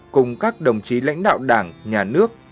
cùng các đồng chí lãnh đạo đảng nhà nước